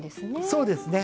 そうですね。